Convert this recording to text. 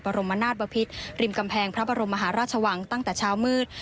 รมนาศบพิษริมกำแพงพระบรมมหาราชวังตั้งแต่เช้ามืด